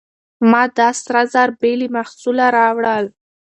ما دا سره زر بې له محصوله راوړل.